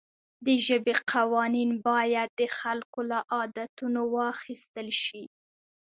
د ژبې قوانین باید د خلکو له عادتونو واخیستل شي.